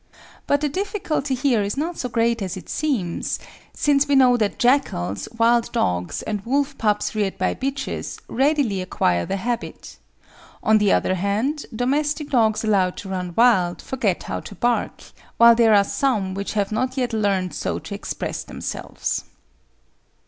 But the difficulty here is not so great as it seems, since we know that jackals, wild dogs, and wolf pups reared by bitches readily acquire the habit. On the other hand, domestic dogs allowed to run wild forget how to bark, while there are some which have not yet learned so to express themselves.